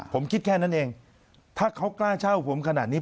ผมคิดแค่นั้นเองถ้าเขากล้าเช่าผมขนาดนี้